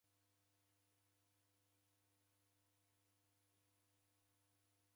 Kanikunda nichagha